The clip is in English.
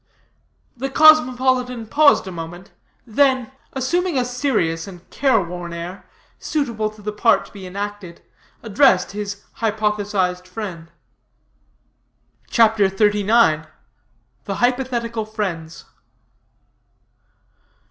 The cosmopolitan paused a moment, then, assuming a serious and care worn air, suitable to the part to be enacted, addressed his hypothesized friend. CHAPTER XXXIX. THE HYPOTHETICAL FRIENDS.